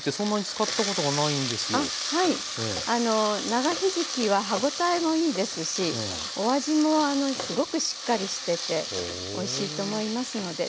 長ひじきは歯応えもいいですしお味もすごくしっかりしてておいしいと思いますので。